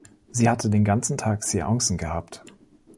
Sie hätte den ganzen Tag Séancen gehabt.